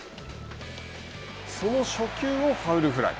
その初球をファウルフライ。